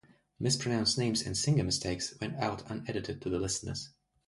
Mispronounced names and singer mistakes went out unedited to the listeners.